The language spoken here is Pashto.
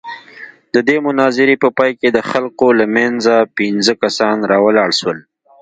د دې مناظرې په پاى کښې د خلقو له منځه پينځه کسان راولاړ سول.